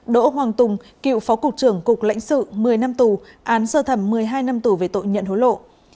năm đỗ hoàng tùng cựu phó cục trưởng cục lãnh sự một mươi năm tù án sơ thẩm một mươi hai năm tù về tội nhận hối lộ